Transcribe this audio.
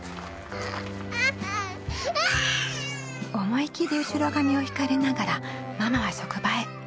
思い切り後ろ髪を引かれながらママは職場へ。